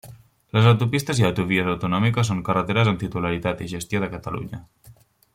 Les autopistes i autovies autonòmiques són carreteres amb titularitat i gestió de Catalunya.